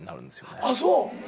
あっそう？